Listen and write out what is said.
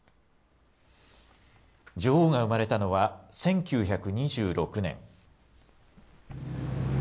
女王が生まれたのは１９２６年。